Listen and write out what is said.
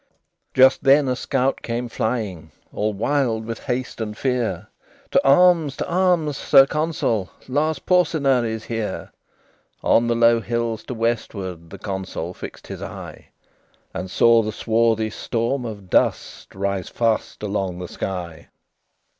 XX Just then a scout came flying, All wild with haste and fear: "To arms! to arms! Sir Consul: Lars Porsena is here." On the low hills to westward The Consol fixed his eye, And saw the swarthy storm of dust Rise fast along the sky.